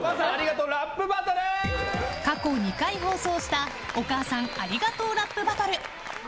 過去２回放送したお母さんありがとうラップバトル。